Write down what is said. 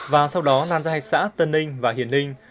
và sau đó lan ra hai xã tân ninh và hiển ninh